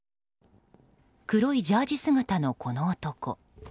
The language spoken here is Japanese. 黒いジャージー姿のこの男。